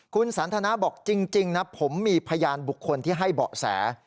คุณสันทนาบอกจริงนะผมมีพยานบุคคลที่ให้เบาะแส